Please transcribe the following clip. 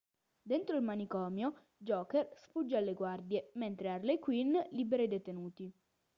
Dentro il manicomio, Joker sfugge alle guardie mentre Harley Quinn libera i detenuti.